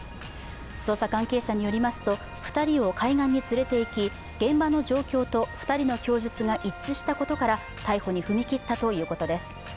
捜査関係者によりますと、２人を海岸に連れていき、現場の状況と２人の供述が一致したことから逮捕に踏み切ったということです。